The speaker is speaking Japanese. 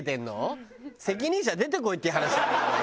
責任者出てこいっていう話だけどね